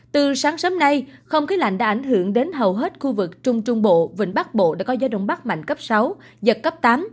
từ sáng sớm nay không khí lạnh đã ảnh hưởng đến hầu hết khu vực trung trung bộ vịnh bắc bộ đã có gió đông bắc mạnh cấp sáu giật cấp tám